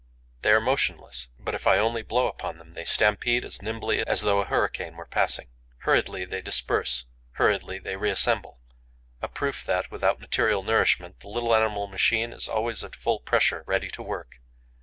They are motionless; but, if I only blow upon them, they stampede as nimbly as though a hurricane were passing. Hurriedly, they disperse; hurriedly, they reassemble: a proof that, without material nourishment, the little animal machine is always at full pressure, ready to work.